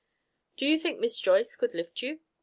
"Do you think Miss Joyce could lift you?"